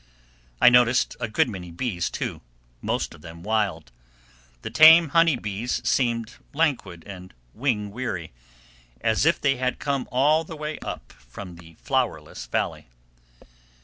I noticed a good many bees, too, most of them wild. The tame honey bees seemed languid and wing weary, as if they had come all the way up from the flowerless valley.